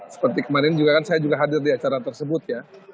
seperti kemarin juga kan saya juga hadir di acara tersebut ya